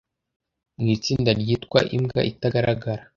Mu itsinda ryitwa imbwa itagaragara